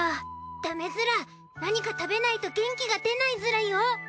ダメズラ何か食べないと元気が出ないズラよ。